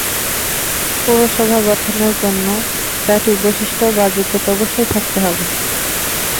পৌরসভা গঠনের জন্য চারটি বৈশিষ্ট্য বা যোগ্যতা অবশ্যই থাকতে হবে।